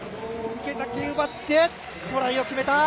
池崎が奪ってトライを決めた。